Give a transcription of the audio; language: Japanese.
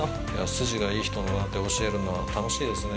筋がいい人に教えるのは楽しいですね。